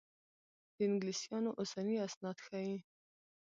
د انګلیسیانو اوسني اسناد ښيي.